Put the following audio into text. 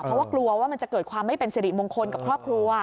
เพราะว่ากลัวว่ามันจะเกิดความไม่เป็นสิริมงคลกับครอบครัว